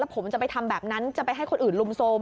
ผมจะไปทำแบบนั้นจะไปให้คนอื่นลุมโทรม